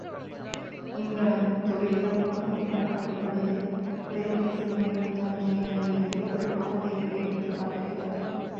இங்ஙணம் தொழில்கள், வகுப்புக்கள் அடிப்படையில் பெருமை சிறுமைகள் தோன்றிய நிலையை, திருக்குறள் அறுதியிட்டு எடுத்துக்காட்டுகிறது.